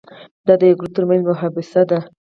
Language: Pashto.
دا د یو ګروپ ترمنځ مباحثه ده.